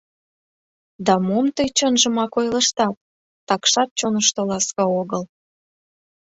— Да мом тый, чынжымак, ойлыштат, такшат чонышто ласка огыл.